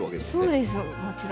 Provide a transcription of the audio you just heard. そうですもちろん。